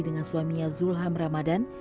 dengan suaminya zulham ramadan